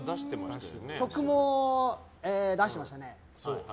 曲も出してましたね。